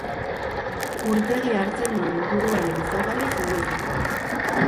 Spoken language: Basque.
Urtegia hartzen duen inguruaren ezaugarri geologikoak.